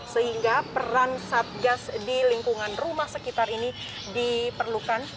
sehingga peran satgas di lingkungan rumah sekitar ini diperlukan